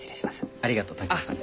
ありがとう竹雄さん。